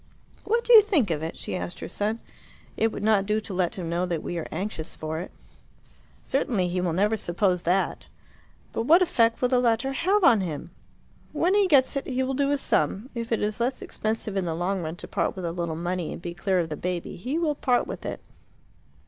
"What do you think of it?" she asked her son. "It would not do to let him know that we are anxious for it." "Certainly he will never suppose that." "But what effect will the letter have on him?" "When he gets it he will do a sum. If it is less expensive in the long run to part with a little money and to be clear of the baby, he will part with it.